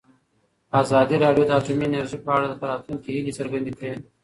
ازادي راډیو د اټومي انرژي په اړه د راتلونکي هیلې څرګندې کړې.